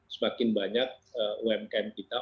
semakin banyak umkm kita